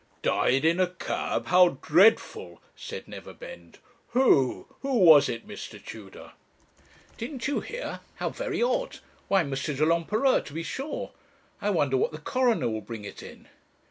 'Died in a cab! how dreadful!' said Neverbend. 'Who? who was it, Mr. Tudor?' 'Didn't you hear? How very odd! Why M. de l'Empereur, to be sure. I wonder what the coroner will bring it in.'